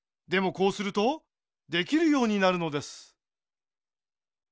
こうするとできるようになるのです。